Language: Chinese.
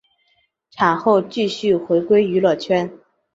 产后继续回归娱乐圈。